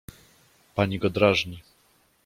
Pani go drażni.